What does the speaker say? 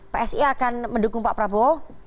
psi akan mendukung pak prabowo